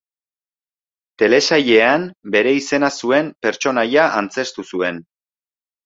Telesailean, bere izena duen pertsonaia antzeztu zuen.